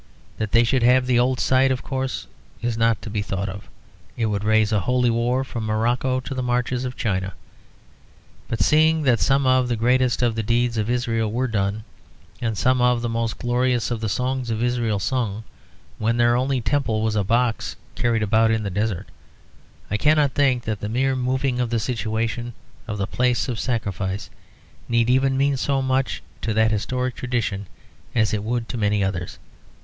That they should have the old site, of course, is not to be thought of; it would raise a Holy War from Morocco to the marches of China. But seeing that some of the greatest of the deeds of Israel were done, and some of the most glorious of the songs of Israel sung, when their only temple was a box carried about in the desert, I cannot think that the mere moving of the situation of the place of sacrifice need even mean so much to that historic tradition as it would to many others.